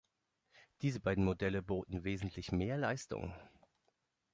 Diese beiden Modelle boten wesentlich mehr Leistung.